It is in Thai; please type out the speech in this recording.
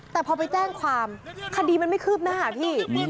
แต่พอไปแจ้งความคดีมันไม่คืบหน้าพี่